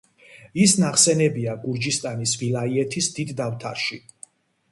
ის ნახსენებია გურჯისტანის ვილაიეთის დიდ დავთარში.